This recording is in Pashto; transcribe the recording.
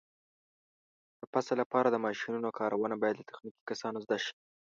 د فصل لپاره د ماشینونو کارونه باید له تخنیکي کسانو زده شي.